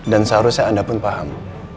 dan seharusnya anda pun paham